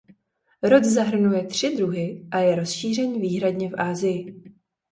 Rod zahrnuje tři druhy a je rozšířen výhradně v Asii.